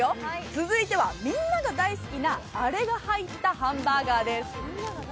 続いてはみんなが大好きなあれが入ったハンバーガーです。